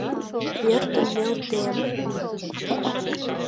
Пӧртым нӧлтем!